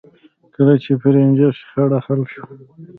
کله چې د فرنیچر شخړه حل شوه